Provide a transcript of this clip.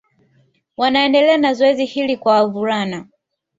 Wanaendelea na zoezi hili kwa wavulana